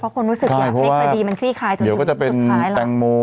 เพราะคนรู้สึกอยากเรียกว่าดีมันคลี่คลายจนถึงสุดท้ายแล้วเดี๋ยวก็จะเป็นแตงโม